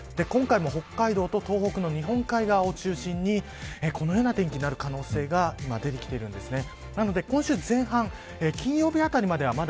今回も北海道と東北の日本海側を中心にこのような天気になる可能性が出てきているんです。